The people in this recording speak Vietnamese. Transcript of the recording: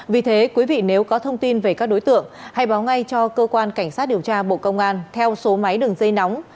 vì thế quý vị nếu có thông tin về các đối tượng hãy báo ngay cho cơ quan cảnh sát điều tra bộ công an theo số máy đường dây nóng sáu mươi chín hai trăm ba mươi bốn năm nghìn tám trăm sáu mươi